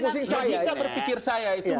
ketika berpikir saya itu